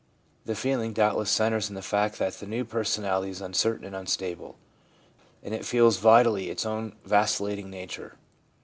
The feeling doubtless centres in the fact that the new personality is uncertain and unstable, and it feels vitally its own vacillating nature.